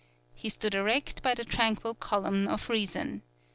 He stood erect by the tranquil column of Reason.